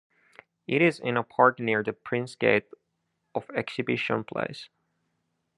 It is in a park near the Prince's Gate of Exhibition Place.